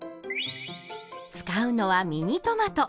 使うのはミニトマト。